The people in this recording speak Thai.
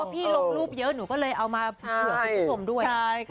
พี่ลบรูปเยอะหนูก็เลยเอามาเสนอขุมด้วย